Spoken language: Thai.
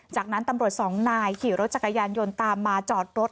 จากนั้นตำรวจสองนายขี่รถจักรยานยนต์ตามมาจอดรถ